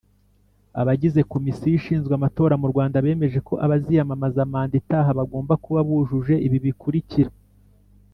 Abagize Komisiyo ishinzwe amatora murwanda bemeje ko abaziyamamaza manda itaha bagomba kuba bujuje ibibikurikira.